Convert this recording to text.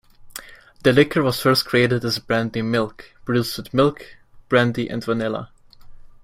The liquor was first created as "Brandy Milk", produced with milk, brandy and vanilla.